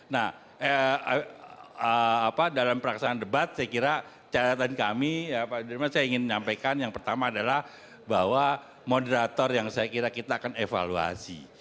nah dalam peraksanaan debat saya kira catatan kami saya ingin menyampaikan yang pertama adalah bahwa moderator yang saya kira kita akan evaluasi